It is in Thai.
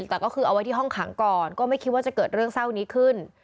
แต่ก็คือเอาไว้ที่ห้องขังก่อนก็ไม่คิดว่าจะเกิดเรื่องเศร้านี้ขึ้น